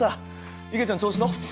いげちゃん調子どう？